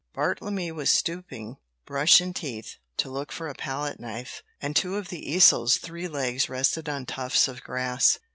Bartlemy was stooping, brush in teeth, to look for a palette knife, and two of the easel's three legs rested on tufts of grass.